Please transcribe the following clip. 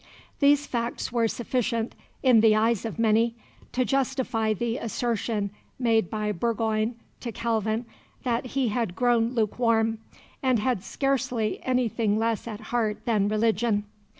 These facts were sufficient, in the eyes of many, to justify the assertion made by Burgoyne to Calvin that he had grown lukewarm, and had scarcely anything less at heart than religion.